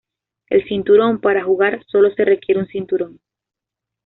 El cinturón. Para jugar sólo se requiere un cinturón.